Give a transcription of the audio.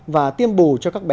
và tiêm bù cho các bé